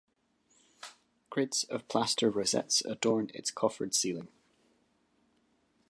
Grids of plaster rosettes adorn its coffered ceiling.